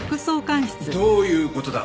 どういう事だ？